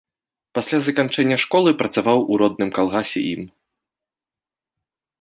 Пасля заканчэння школы, працаваў у родным калгасе ім.